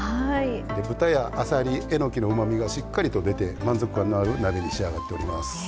豚やあさり、えのきのうまみがしっかりと出て満足感のある鍋に仕上がっております。